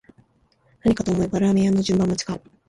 何かと思えばラーメン屋の順番待ちか